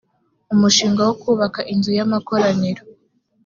umushinga wo kubaka inzu y amakoraniro